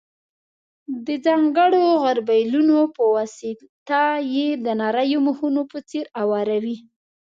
د ځانګړو غربیلونو په واسطه یې د نریو مخونو په څېر اواروي.